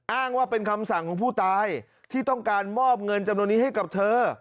อ้างว่าเป็นคำสั่งของผู้ตายที่ต้องการมอบเงินจำนวนนี้ให้กับเธอ